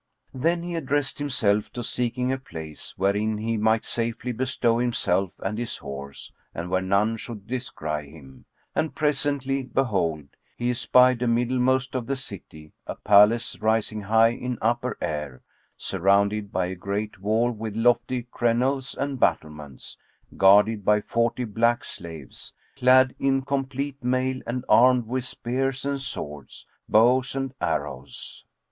Then he addressed himself to seeking a place wherein he might safely bestow himself and his horse and where none should descry him, and presently behold, he espied a middlemost of the city a palace rising high in upper air surrounded by a great wall with lofty crenelles and battlements, guarded by forty black slaves, clad in complete mail and armed with spears and swords, bows and arrows.